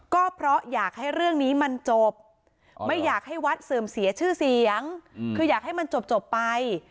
ก็เพราะอยากให้เรื่องนี้มันจบไม่อยากให้วัดเสื่อมเสียชื่อเสียงคืออยากให้มันจบไป